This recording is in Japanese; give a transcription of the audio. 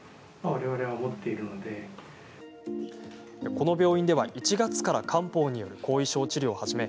この病院では、１月から漢方による後遺症治療を始め